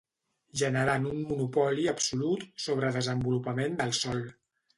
Generant un monopoli absolut sobre desenvolupament del sol.